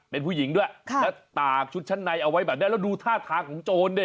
เป็นผู้หญิงด้วยแล้วตากชุดชั้นในเอาไว้แบบนี้แล้วดูท่าทางของโจรดิ